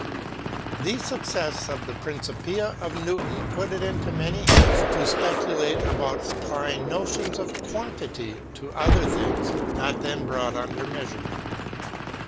The success of the Principia of Newton put it into many heads to speculate about applying notions of quantity to other things not then brought under measurement.